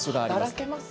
働けます？